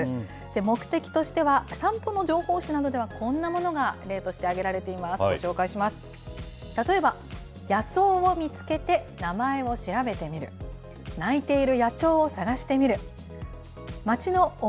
目的としては、散歩の情報誌などではこんなものが例として挙げられています。